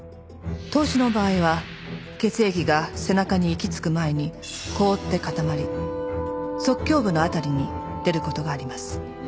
凍死の場合は血液が背中に行き着く前に凍って固まり側胸部の辺りに出る事があります。